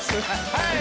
はい！